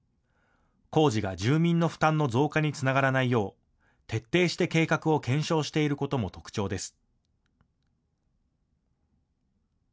工事が住民の負担の増加につながらないよう徹底して計画を検証していることも特徴です。